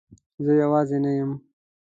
زه یوازی نه یم